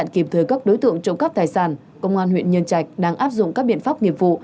kịp thời các đối tượng trộm cắp tài sản công an huyện nhân trạch đang áp dụng các biện pháp nghiệp vụ